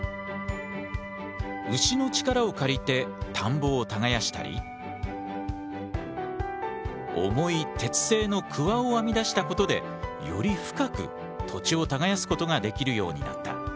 牛の力を借りて田んぼを耕したり重い鉄製のクワを編み出したことでより深く土地を耕すことができるようになった。